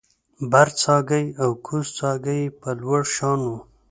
برڅاګی او کوزڅاګی یې په لوړ شان و